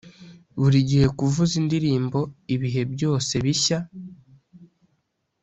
burigihe kuvuza indirimbo ibihe byose bishya;